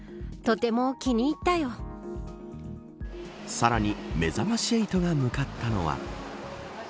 さらに、めざまし８が向かったのは。